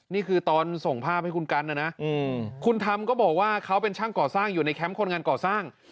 นี่คือตอนส่งภาพให้คุณกันนะนะคุณธรรมก็บอกว่าเขาเป็นช่างก่อสร้างอยู่ในแคมป์คนงานก่อสร้าง